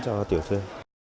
cho tiểu thư